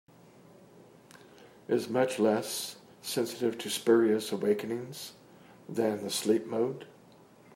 Is much less sensitive to spurious awakenings than the sleep mode.